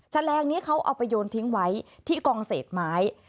แลงนี้เขาเอาไปโยนทิ้งไว้ที่กองเศษไม้